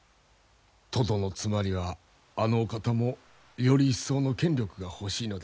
とどのつまりはあのお方もより一層の権力が欲しいのであろう。